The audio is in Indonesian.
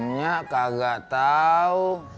nya kagak tau